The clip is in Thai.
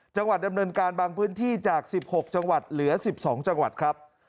จังหวัดดำเนินการบางพื้นที่จาก๑๖จังหวัดเหลือ๑๒จังหวัดครับ